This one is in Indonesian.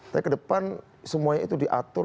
tapi ke depan semuanya itu diatur